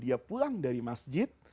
dia pulang dari masjid